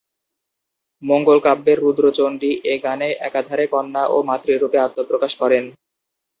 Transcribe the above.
মঙ্গলকাব্যের রুদ্রচন্ডী এ গানে একাধারে কন্যা ও মাতৃরূপে আত্মপ্রকাশ করেন।